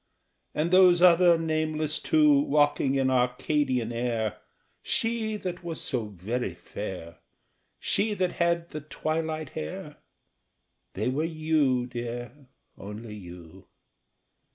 And those other nameless two Walking in Arcadian air She that was so very fair? She that had the twilight hair? They were you, dear, only you.